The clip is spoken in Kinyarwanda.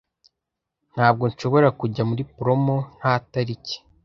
Ntabwo nshobora kujya muri promo nta tariki.